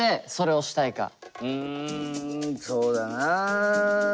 うんそうだな。